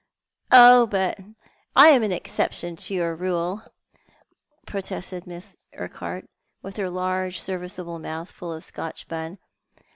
" Oh, but I am an exception to your rule," protested Miss Urquhart, with her large serviceable mouth full of Scotch bun.